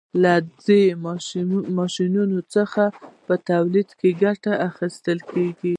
له دې ماشینونو څخه په تولید کې ګټه اخیستل کیږي.